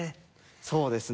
そうですね。